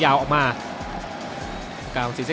สนามโรงเรียนสมุทรสาคอนวุฒิชัย